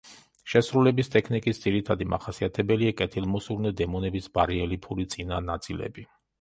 შესრულების ტექნიკის ძირითადი მახასიათებელია კეთილმოსურნე დემონების ბარელიეფური წინა ნაწილები.